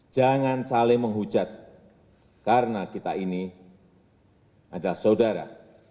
jangan saling menghujat karena kita ini adalah saudara